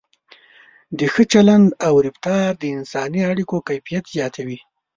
د ښه چلند او رفتار د انساني اړیکو کیفیت زیاتوي.